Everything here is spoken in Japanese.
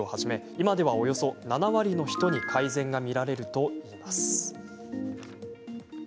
今ではおよそ７割の人に改善が見られるといいます。